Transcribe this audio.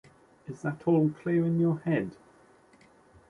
Is that all clear in your head?